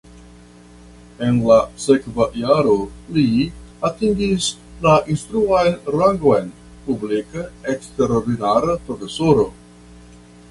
En la sekva jaro li atingis la instruan rangon publika eksterordinara profesoro.